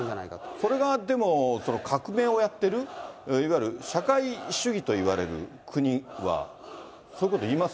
それがでも、その革命をやっている、いわゆる社会主義といわれる国は、そういうこと言います？